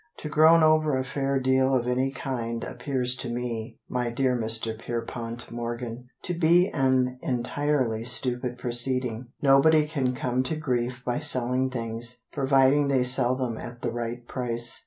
To groan over a fair deal of any kind Appears to me, my dear Mr. Pierpont Morgan, To be an entirely stupid proceeding. Nobody can come to grief by selling things, Providing they sell them at the right price.